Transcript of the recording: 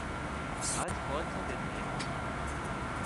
آج کونسا دن ہے؟